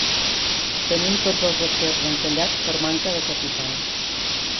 Tenim tots els afers encallats per manca de capital.